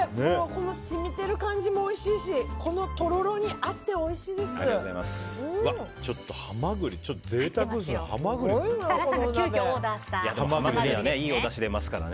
しみている感じもおいしいしこのとろろに合ってちょっとハマグリ贅沢ですね。